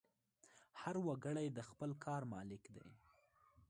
هر وګړی د خپل کار مالک دی.